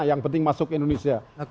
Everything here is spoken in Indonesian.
yang penting masuk indonesia